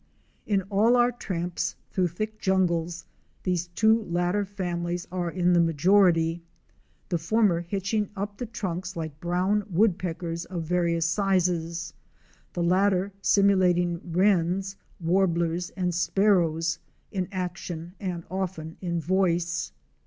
In all our tramps through thick jungles, these two latter families are in the majority, the former hitching up the trunks like brown Woodpeckers of various sizes, the latter simulating Wrens, Warblers and Sparrows in action and often in voice.